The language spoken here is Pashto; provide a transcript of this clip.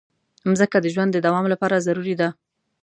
مځکه د ژوند د دوام لپاره ضروري ده.